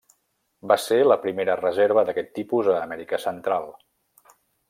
Va ser la primera reserva d'aquest tipus a Amèrica Central.